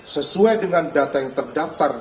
sesuai dengan data yang terdaftar